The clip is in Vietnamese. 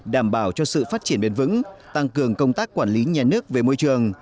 đảm bảo cho sự phát triển bền vững tăng cường công tác quản lý nhà nước về môi trường